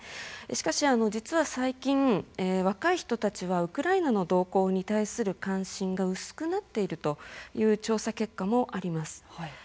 しかし、実は最近若い人たちはウクライナの動向に対する関心が薄くなっているという調査結果もあります。